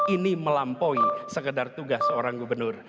ini melampaui sekedar tugas seorang gubernur